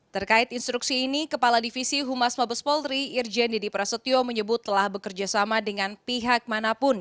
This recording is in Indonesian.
terkait instruksi ini kepala divisi humas mabes polri irjen didi prasetyo menyebut telah bekerjasama dengan pihak manapun